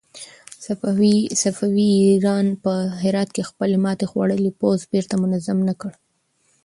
صفوي ایران په هرات کې خپل ماتې خوړلی پوځ بېرته منظم نه کړ.